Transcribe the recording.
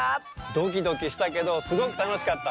ドキドキしたけどすごくたのしかった。